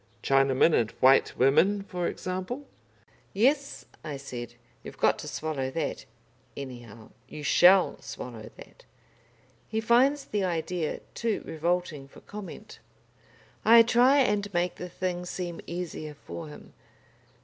"Chinamen and white women, for example." "Yes," I said, "you've got to swallow that, anyhow; you shall swallow that." He finds the idea too revolting for comment. I try and make the thing seem easier for him.